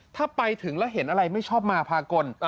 ถ้าไปถึงแล้วเห็นอะไรไม่ชอบมาพากล